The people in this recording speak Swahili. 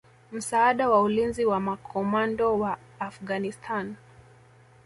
msaada wa ulinzi wa makomando wa Afghanistan